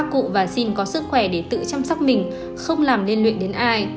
các cụ và xin có sức khỏe để tự chăm sóc mình không làm liên luyện đến ai